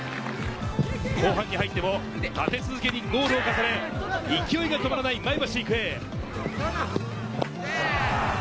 後半に入っても立て続けにゴールを重ね、勢いが止まらない前橋育英。